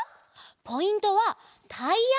ポイントはタイヤ！